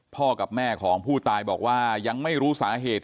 กับแม่ของผู้ตายบอกว่ายังไม่รู้สาเหตุ